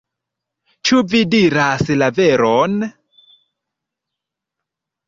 Ĉu vi diras la veron?